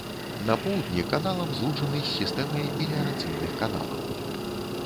На поўдні каналам злучаны з сістэмай меліярацыйных каналаў.